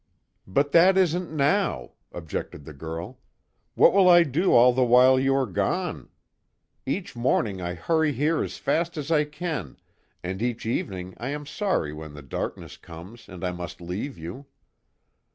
"But that isn't now," objected the girl, "What will I do all the while you are gone? Each morning I hurry here as fast as I can, and each evening I am sorry when the darkness comes and I must leave you."